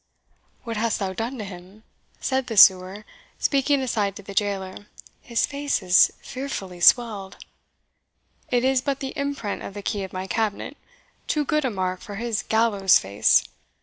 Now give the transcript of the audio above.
"What hast thou done to him?" said the sewer, speaking aside to the jailer; "his face is fearfully swelled." "It is but the imprint of the key of my cabinet too good a mark for his gallows face.